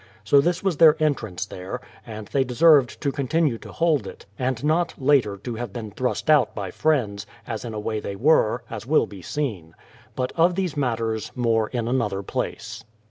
So this was their entrance there; and they deserved to continue to hold it, and not, later, to have been thrust out by friends, as in a way they were, as will be seen. But of these matters, more in another place.